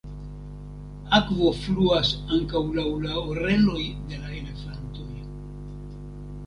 Akvo fluas ankaŭ laŭ la oreloj de la elefantoj.